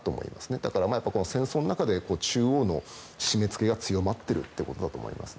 だから戦争の中で中央の締め付けが強まっているということだと思いますね。